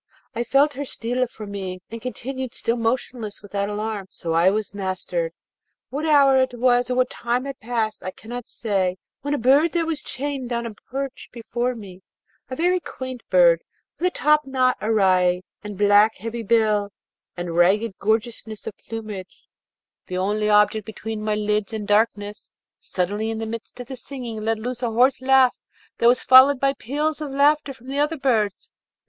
I felt her steal from me, and continued still motionless without alarm: so was I mastered. What hour it was or what time had passed I cannot say, when a bird that was chained on a perch before me a very quaint bird, with a topknot awry, and black, heavy bill, and ragged gorgeousness of plumage the only object between my lids and darkness, suddenly, in the midst of the singing, let loose a hoarse laugh that was followed by peals of laughter from the other birds.